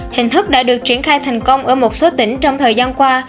hình thức đã được triển khai thành công ở một số tỉnh trong thời gian qua